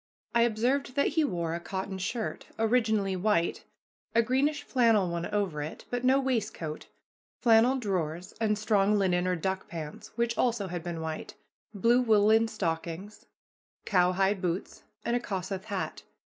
I observed that he wore a cotton shirt, originally white, a greenish flannel one over it, but no waistcoat, flannel drawers, and strong linen or duck pants, which also had been white, blue woolen stockings, cowhide boots, and a Kossuth hat.